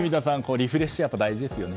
リフレッシュは大事ですよね。